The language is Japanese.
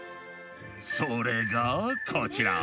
それがこちら。